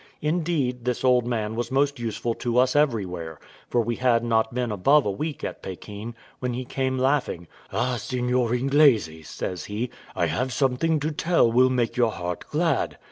Indeed, this old man was most useful to us everywhere; for we had not been above a week at Pekin, when he came laughing. "Ah, Seignior Inglese," says he, "I have something to tell will make your heart glad."